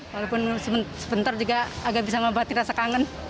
walaupun sebentar juga agak bisa membuat dirasa kangen